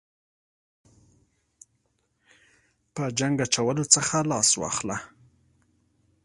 په جنګ اچولو څخه لاس واخله.